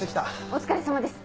お疲れさまです。